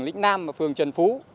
lĩnh nam và phường trần phú